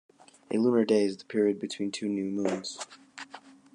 A lunar day is the period between two new moons.